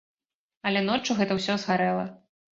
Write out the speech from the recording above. Але ноччу гэта ўсё згарэла.